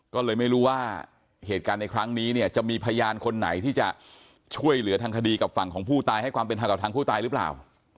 ก็เลยไม่รู้ว่าเหตุการณ์ในครั้งนี้เนี่ยจะมีพยานคนไหนที่จะช่วยเหลือทางคดีกับฝั่งของผู้ตายให้ความเป็นทางกับทางผู้ตายหรือเปล่า